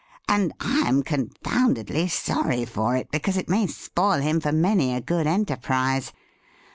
And I am con foundedly sorry for it, because it may spoil him for many a good enterprise.